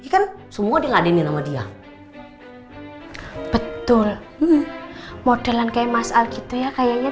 kan semua diladenin sama dia betul modelan kayak mas al gitu ya kayaknya